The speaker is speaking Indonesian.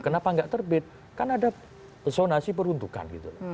kenapa nggak terbit kan ada sonasi peruntukan gitu